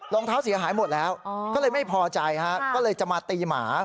รองเท้าเสียหายหมดแล้วก็เลยไม่พอใจฮะก็เลยจะมาตีหมา